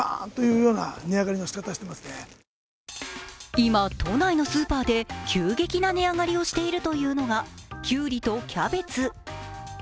今、都内のスーパーで急激な値上がりをしているというのがきゅうりとキャベツ。